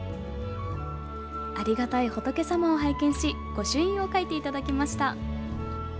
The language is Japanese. ありがたい仏様を拝見し御朱印を書いていただきました。